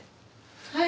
はい。